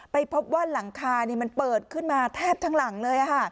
ไปพบว่าหลังคามันเปิดขึ้นมาแทบทั้งหลังเลย